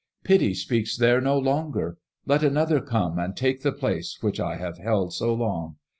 Pity speaks there no longer. Let another come and take the place which I have held so long.